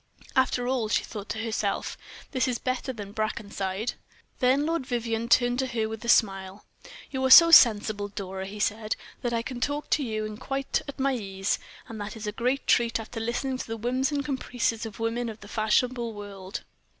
"After all," she thought to herself, "this is better than Brackenside." Then Lord Vivianne turned to her with a smile. "You are so sensible Dora," he said, "that I can talk to you quite at my ease; and that is a great treat after listening to the whims and caprices of the women of the fashionable world."